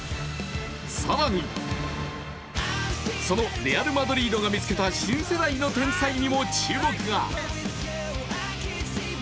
更に、そのレアル・マドリードが見つけた新世代の天才にも注目が。